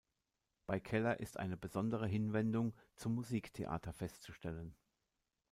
Bei Keller ist eine besondere Hinwendung zum Musiktheater festzustellen.